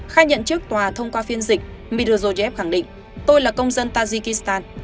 khai nhận trước tòa thông qua phiên dịch midroev khẳng định tôi là công dân tajikistan